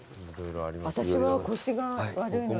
私は腰が悪いので。